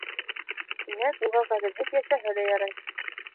Тимәк, уға ғәҙелһеҙ йәшәһә лә ярай.